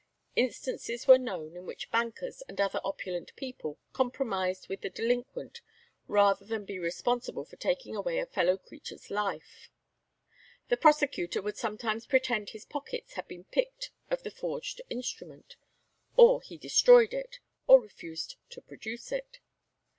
Instances were known in which bankers and other opulent people compromised with the delinquent rather than be responsible for taking away a fellow creature's life. The prosecutor would sometimes pretend his pockets had been picked of the forged instrument, or he destroyed it, or refused to produce it.